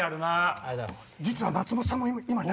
実は松本さんも今ね。